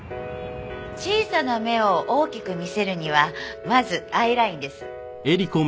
小さな目を大きく見せるにはまずアイラインです。